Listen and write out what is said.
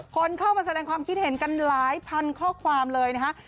คนเข้ามาแสดงความคิดเห็นกันหลายพันข้อความเลยนะคะ